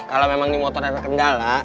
kalau memang ini motor ada kendala